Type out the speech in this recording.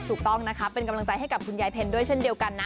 ถูกต้องนะคะเป็นกำลังใจให้กับคุณยายเพลด้วยเช่นเดียวกันนะ